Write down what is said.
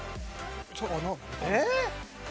えっ！？